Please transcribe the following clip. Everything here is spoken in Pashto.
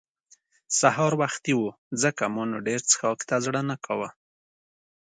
سهار وختي وو ځکه مې نو ډېر څښاک ته زړه نه کاوه.